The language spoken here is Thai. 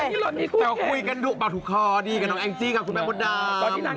อะไรก็กลับทุกขอนี่ก็แม่งจิกาคุณแม่มดดำ